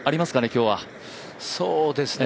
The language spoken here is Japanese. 今日は。